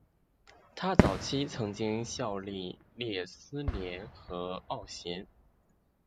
他早期曾效力列斯联和奥咸。